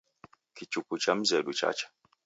Kichuku cha mzedu chacha.